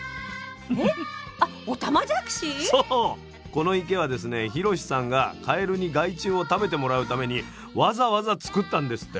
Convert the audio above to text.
この池はですね博四さんがカエルに害虫を食べてもらうためにわざわざ作ったんですって。